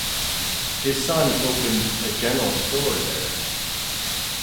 His son opened a general store there.